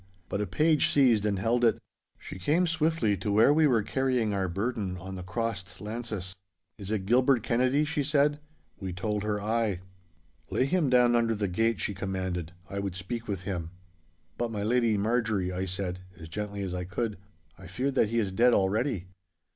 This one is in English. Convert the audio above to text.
But a page seized and held it. She came swiftly to where we were carrying our burden on the crossed lances. 'Is it Gilbert Kennedy?' she said. We told her ay. 'Lay him down under the gate,' she commanded, 'I would speak with him.' 'But, my lady Marjorie,' I said, as gently as I could, 'I fear that he is dead already.